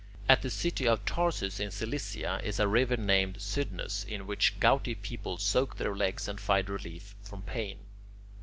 At the city of Tarsus in Cilicia is a river named Cydnus, in which gouty people soak their legs and find relief from pain.